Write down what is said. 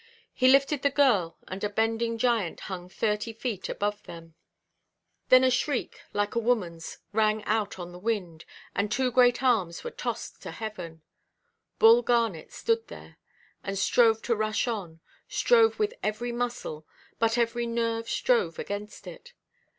He lifted the girl, and a bending giant hung thirty feet above them. Then a shriek, like a womanʼs, rang out on the wind, and two great arms were tossed to heaven. Bull Garnet stood there, and strove to rush on, strove with every muscle, but every nerve strove against it.